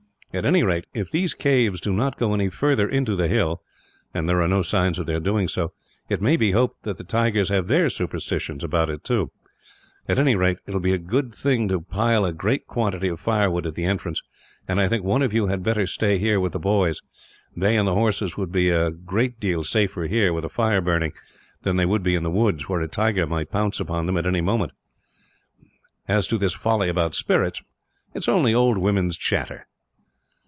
At any rate, if these caves do not go any further into the hill and there are no signs of their doing so it may be hoped that the tigers have their superstitions about it, too. At any rate, it will be a good thing to pile a great quantity of firewood at the entrance; and I think one of you had better stay here, with the boys. They and the horses would be a great deal safer here, with a fire burning; than they would be in the woods, where a tiger might pounce upon them, at any moment. As to this folly about spirits, it is only old women's chatter."